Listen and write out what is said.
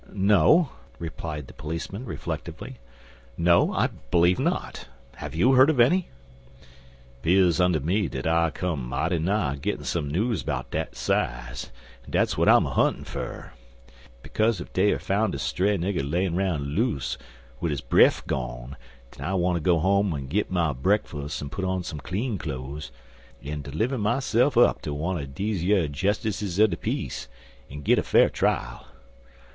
"No," replied the policeman, reflectively. "No, I believe not. Have you heard of any?" "'Pears unter me dat I come mighty nigh gittin' some news bout dat size, an' dat's w'at I'm a huntin' fer. Bekaze ef dey er foun' a stray nigger layin' 'roun' loose, wid 'is bref gone, den I wanter go home an' git my brekfus' an' put on some clean cloze, an' 'liver myse'f up ter wunner deze yer jestesses er de peace, an git a fa'r trial."